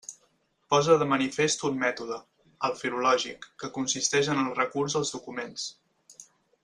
Posa de manifest un mètode: el filològic, que consisteix en el recurs als documents.